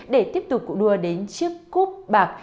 để tiếp tục cụ đua đến chiếc cúp bạc